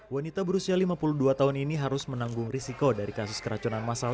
wanita berusia lima puluh dua tahun ini harus menanggung risiko dari kasus keracunan masal